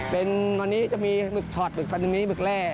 ตอนนี้จะมีมึกชอดมึกปันดีมีมึกแร่